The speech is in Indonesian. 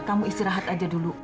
kamu istirahat aja dulu